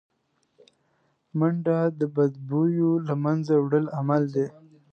منډه د بدبویو له منځه وړو عمل دی